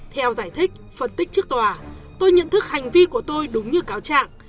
theo giải thích phân tích trước tòa tôi nhận thức hành vi của tôi đúng như cáo trạng